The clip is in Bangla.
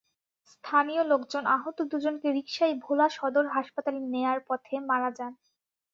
স্থানীয় লোকজন আহত দুজনকে রিকশায় ভোলা সদর হাসপাতালে নেওয়ার পথে মারা যান।